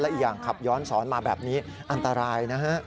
อีกอย่างขับย้อนสอนมาแบบนี้อันตรายนะฮะ